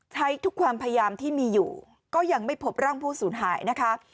ทุกความพยายามที่มีอยู่ก็ยังไม่พบร่างผู้สูญหายนะคะ